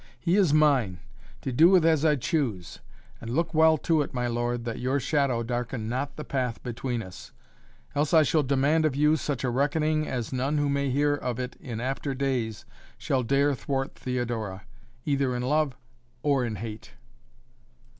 "He is mine, to do with as I choose, and look well to it, my lord, that your shadow darken not the path between us. Else I shall demand of you such a reckoning as none who may hear of it in after days shall dare thwart Theodora either in love or in hate."